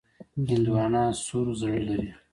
هندوانه سور زړه لري.